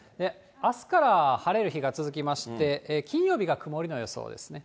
あすから晴れる日が続きまして、金曜日が曇りの予想ですね。